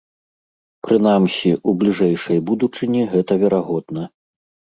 Прынамсі, у бліжэйшай будучыні гэта верагодна.